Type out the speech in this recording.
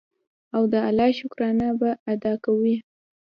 او د الله شکرانه به ادا کوي.